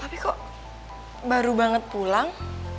tapi kok baru banget pulang